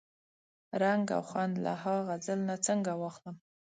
رنګ او خوند له ها غزل نه څنګه واخلم؟